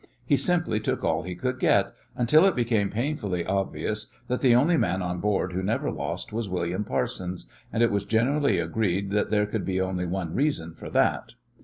He simply took all he could get until it became painfully obvious that the only man on board who never lost was William Parsons, and it was generally agreed that there could be only one reason for that.